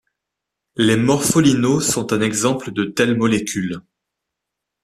Les morpholinos sont un exemple de telles molécules.